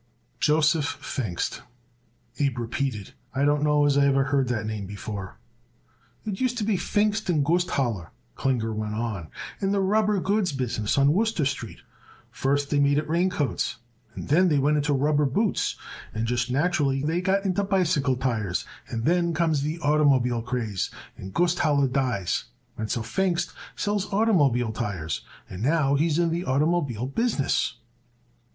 "Joseph Pfingst," Abe repeated. "I don't know as I ever hear that name before." "It used to be Pfingst & Gusthaler," Klinger went on, "in the rubber goods business on Wooster Street. First they made it raincoats, and then they went into rubber boots, and just naturally they got into bicycle tires, and then comes the oitermobile craze, and Gusthaler dies, and so Pfingst sells oitermobile tires, and now he's in the oitermobile business."